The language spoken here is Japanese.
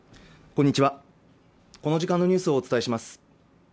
こんにちはこの時間のニュースをお伝えします